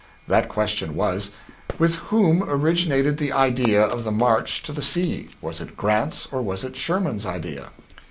That question was, "With whom originated the idea of the march to the sea? Was it Grant's, or was it Sherman's idea?"